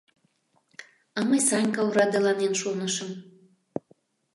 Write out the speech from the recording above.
А мый Санька орадыланен шонышым.